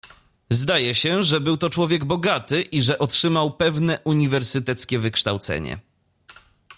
"Zdaje się, że był to człowiek bogaty i że otrzymał pewne uniwersyteckie wykształcenie."